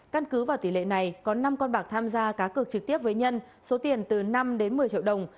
căn cứ vào tỷ lệ này có năm con bạc tham gia cá cược trực tiếp với nhân số tiền từ năm đến một mươi triệu đồng